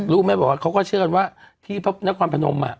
ลูกแม่บอกว่าเขาก็เชื่อว่าที่พระพยาควัลพนมอ่ะ